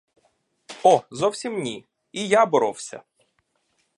О, зовсім ні; і я боровся!